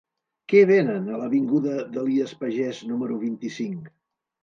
Què venen a l'avinguda d'Elies Pagès número vint-i-cinc?